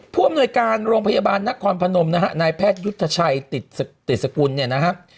ผู้อำนวยการโรงพยาบาลนครพนมนะฮะนายแพทยุทธชัยติดติดสกุลเนี่ยนะครับ